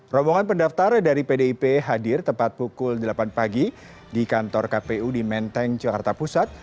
rombongan pendaftar dari pdip hadir tepat pukul delapan pagi di kantor kpu di menteng jakarta pusat